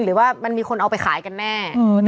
หรือว่ามันมีคนเอาไปขายกันแน่